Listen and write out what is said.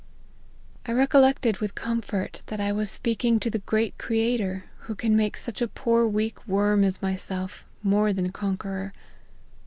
I recollected with comfort, that I was speaking to the great Creator, who can make such a poor weak worm as myself ' more than conqueror.'